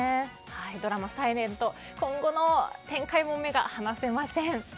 ドラマ「ｓｉｌｅｎｔ」今後の展開にも目が離せません。